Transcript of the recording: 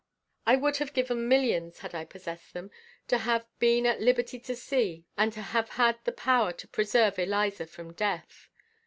I would have given millions, had I possessed them, to have been at liberty to see, and to have had the power to preserve Eliza from death.